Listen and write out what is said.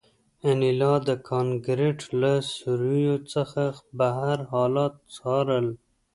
انیلا د کانکریټ له سوریو څخه بهر حالات څارل